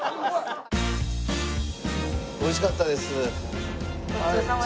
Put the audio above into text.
おいしかったです。